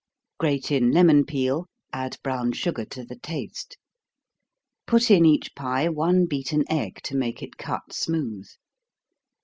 Grate in lemon peel, add brown sugar to the taste. Put in each pie one beaten egg, to make it cut smooth.